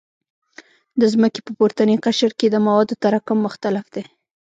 د ځمکې په پورتني قشر کې د موادو تراکم مختلف دی